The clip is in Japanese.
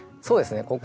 そうですね。